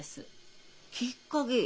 きっかげ？